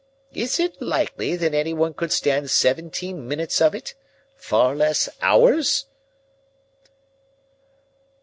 Is it likely that anyone could stand seventeen minutes of it, far less hours?"